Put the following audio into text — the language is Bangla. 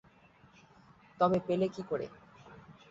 তবে পেলে কী করে।